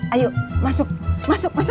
ayo masuk masuk masuk